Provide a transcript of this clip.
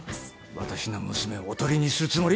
私の娘をおとりにするつもり？